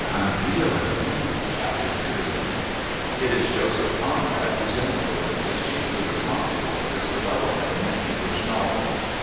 II It is Joseph Conrad whose influence is chiefly responsible for this development in the English novel.